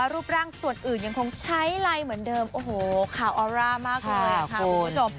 รูปร่างส่วนอื่นยังคงใช้ไลน์เหมือนเดิมโอ้โหข่าวออร่ามากเลยค่ะคุณผู้ชม